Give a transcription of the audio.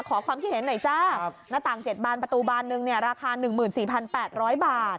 ขอความคิดเห็นหน่อยจ้าหน้าต่าง๗บานประตูบานหนึ่งราคา๑๔๘๐๐บาท